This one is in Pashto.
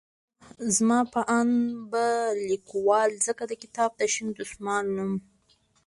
زما په اند به ليکوال ځکه د کتاب ته شين دسمال نوم